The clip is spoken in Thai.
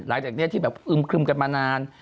หลายอย่างนี้ที่อึ้มคลึมกันมานาน